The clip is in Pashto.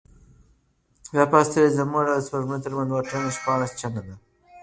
دا فاصله زموږ او د سپوږمۍ ترمنځ د واټن شپاړس چنده ده.